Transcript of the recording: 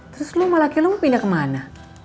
terus lo sama laki laki lo mau pindah kemana